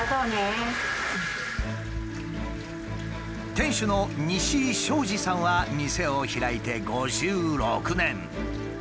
店主の西井正治さんは店を開いて５６年。